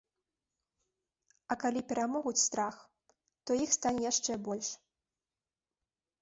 А калі перамогуць страх, то іх стане яшчэ больш.